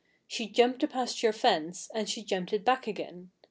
She jumped the pasture fence; and she jumped it back again.